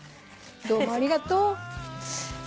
どうもありがとう。